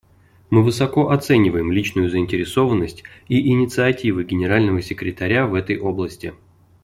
Мы высоко оцениваем личную заинтересованность и инициативы Генерального секретаря в этой области.